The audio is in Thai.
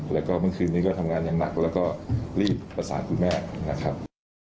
แล้วก็เมื่อคืนนี้ก็ทำงานอย่างหนักแล้วก็รีบประสานคุณแม่นะครับ